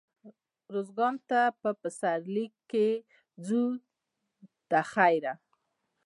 روزګان ته په پسرلي کښي ځو دخيره.